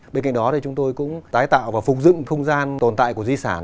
bên cạnh đó thì chúng tôi cũng tái tạo và phục dựng không gian tồn tại của di sản